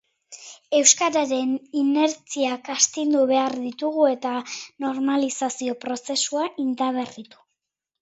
Euskararen inertziak astindu behar ditugu, eta normalizazio prozesua indarberritu.